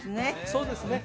そうですね